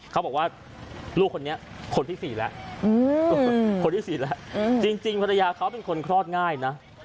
เขาบอกว่าลูกคนนี้คนที่๔แล้วคนที่๔แล้วจริงภรรยาเขาเป็นคนคลอดง่ายนะ